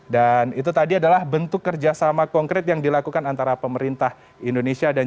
dan itu tadi adalah bentuk kerjasama konkret yang dilakukan antara pemerintah indonesia dan jepang